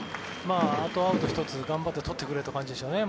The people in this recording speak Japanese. あとアウト１つ頑張って取ってくれという感じでしょうね。